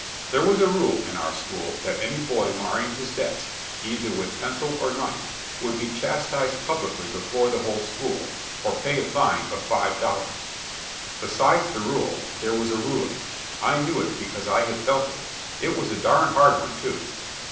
There was a rule in our school that any boy marring his desk, either with pencil or knife, would be chastised publicly before the whole school, or pay a fine of five dollars. Besides the rule, there was a ruler; I knew it because I had felt it; it was a darned hard one, too.